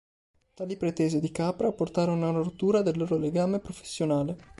Tali pretese di Capra portarono a una rottura del loro legame professionale.